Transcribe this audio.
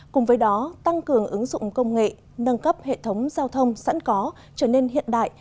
cùng với đó tăng cường ứng dụng công nghệ nâng cấp hệ thống giao thông sẵn có trở nên hiện đại